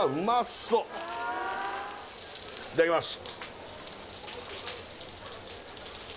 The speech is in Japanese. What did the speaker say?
そういただきます